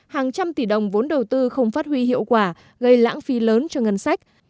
hàng trăm tỷ đồng vốn đầu tư không phát huy hiệu quả gây lãng phí lớn cho ngân sách